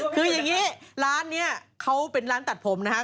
คืออย่างนี้ร้านนี้เขาเป็นร้านตัดผมนะครับ